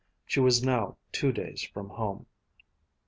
She was now two days from home.